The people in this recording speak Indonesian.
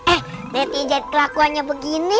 eh netizen kelakuannya begini